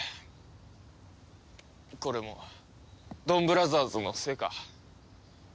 これもドンブラザーズのせいか。